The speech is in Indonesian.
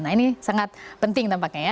nah ini sangat penting tampaknya ya